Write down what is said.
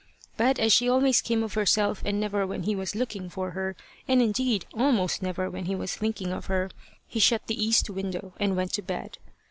But, as she always came of herself, and never when he was looking for her, and indeed almost never when he was thinking of her, he shut the east window, and went to bed.